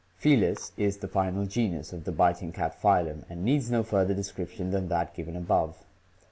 Felis XFigs.i83,B ; i84,E)is thefinal genusof thebiting catphylum and needs no further description than that given above.